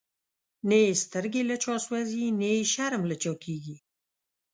نه یی سترګی له چا سوځی، نه یی شرم له چا کیږی